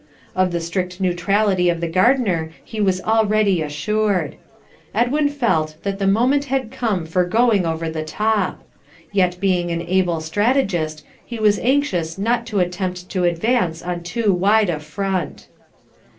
Of the strict neutrality of the gardener he was already assured. Edwin felt that the moment had come for going over the top. Yet being an able strategist, he was anxious not to attempt to advance on too wide a front.